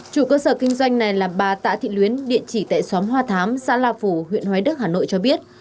chủ cơ sở kinh doanh này là bà tạ thị luyến địa chỉ tại xóm hoa thám xã la phủ huyện hoài đức hà nội cho biết